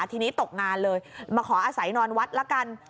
ทีนี้ตกงานเลยมาขออาศัยนอนวัดละกัน